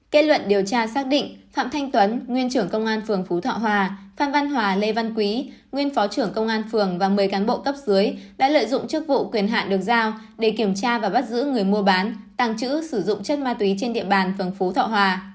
kết luận điều tra xác định phạm thanh tuấn nguyên trưởng công an phường phú thọ hòa phan văn hòa lê văn quý nguyên phó trưởng công an phường và một mươi cán bộ cấp dưới đã lợi dụng chức vụ quyền hạn được giao để kiểm tra và bắt giữ người mua bán tàng trữ sử dụng chất ma túy trên địa bàn phường phú thọ hòa